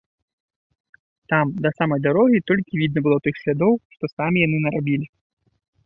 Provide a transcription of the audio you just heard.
Там да самай дарогі толькі й відна было тых слядоў, што самі яны нарабілі.